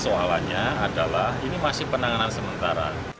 soalannya adalah ini masih penanganan sementara